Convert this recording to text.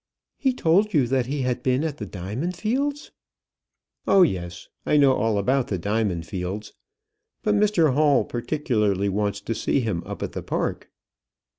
"He told you that he had been at the diamond fields?" "Oh, yes; I know all about the diamond fields. But Mr Hall particularly wants to see him up at the Park."